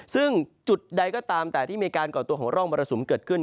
ซึ่งจุดใดก็ตามแต่ที่มีการก่อตัวของร่องมรสุมเกิดขึ้น